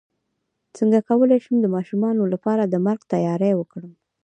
څنګه کولی شم د ماشومانو لپاره د مرګ تیاری وکړم